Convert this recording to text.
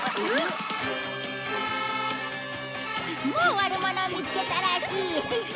もう悪者を見つけたらしい。